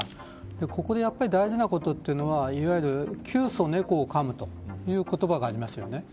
ここで大事なことはいわゆる窮鼠猫をかむという言葉があります。